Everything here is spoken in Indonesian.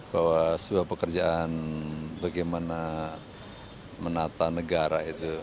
bahwa sebuah pekerjaan bagaimana menata negara itu